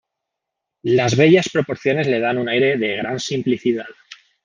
Las bellas proporciones le dan un aire de gran simplicidad.